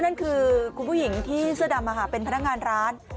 นั่นคือคุณผู้หญิงที่เสื้อดำเป็นพนักงานร้าน